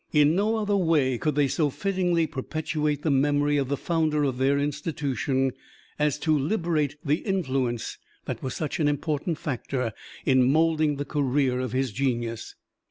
In no other way could they so fittingly perpetuate the memory of the founder of their institution as to liberate the influence that was such an important factor in molding the career of his genius.